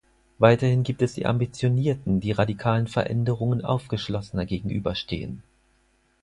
Weiterhin gibt es die Ambitionierten, die radikalen Veränderungen aufgeschlossener gegenüberstehen.